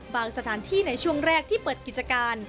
สถานที่ในช่วงแรกที่เปิดกิจการ